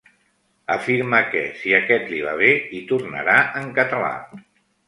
Afirma que, si aquest li va bé, hi tornarà en català.